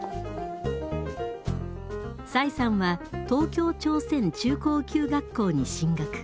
崔さんは東京朝鮮中高級学校に進学。